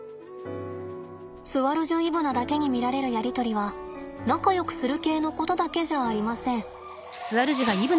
スアルジュイブナだけに見られるやり取りは仲よくする系のことだけじゃありません。